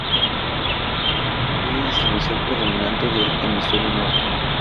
Es de distribución predominantemente del hemisferio norte.